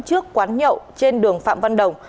trước quán nhậu trên đường phạm văn đồng